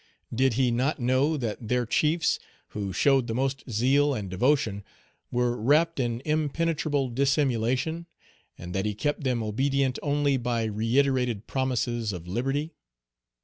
Did he not know that their chiefs, who showed the most zeal and devotion, were wrapped in impenetrable dissimulation, and that he kept them obedient only by reiterated promises of liberty.